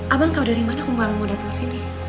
abang kau dari mana humbalang mau datang kesini